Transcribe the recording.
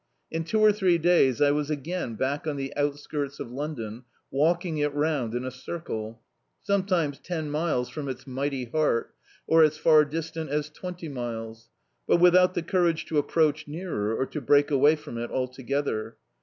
In two or three days I was again back on the out skirts of London, walking it round in a circle; some times ten miles from its mighty heart, or as far dis* tant as twenty miles; but without the courage to approach nearer, or to break away from it altt^ther.